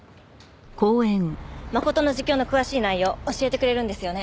真琴の自供の詳しい内容教えてくれるんですよね？